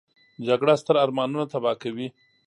جګړه ستر ارمانونه تباه کوي